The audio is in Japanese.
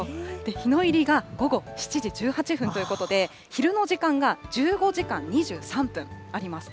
日の入りが午後７時１８分ということで、昼の時間が１５時間２３分あります。